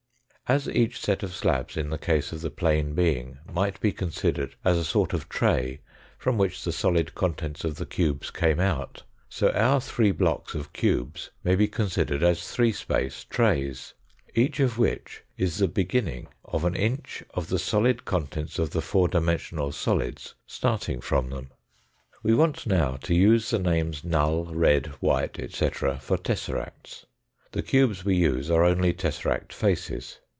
As each set of slabs in the case of the plane being might be considered as a sort of tray from which the solid contents of the cubes came out, so our three blocks of cubes may be considered as three space trays, each of which is the beginning of an inch of the solid contents of the four dimensional solids starting from them. We want now to use the names null, red, white, etc., for tesseracts. The cubes we use are only tesseract faces.